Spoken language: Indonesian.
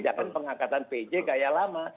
jangan pengangkatan pj kayak lama